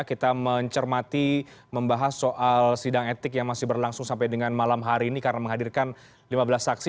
kita mencermati membahas soal sidang etik yang masih berlangsung sampai dengan malam hari ini karena menghadirkan lima belas saksi